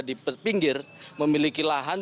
di pinggir memiliki lahan